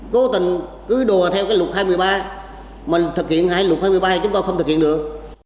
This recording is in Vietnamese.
cố tình cứ đùa theo cái luật hai mươi ba mà thực hiện hai luật hai mươi ba chúng tôi không thực hiện được